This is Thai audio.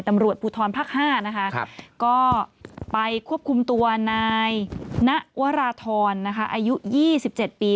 ตำรวจภูทรภาค๕นะคะก็ไปควบคุมตัวนายณวราธรอายุ๒๗ปี